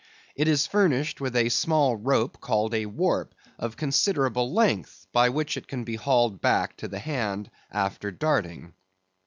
It is furnished with a small rope called a warp, of considerable length, by which it can be hauled back to the hand after darting.